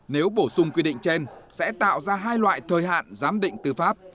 nếu bổ sung quy định trên sẽ tạo ra hai loại thời hạn giám định tư pháp